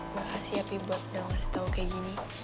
makasih ya pi buat udah ngasih tau kayak gini